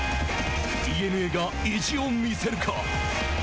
ＤｅＮＡが意地を見せるか。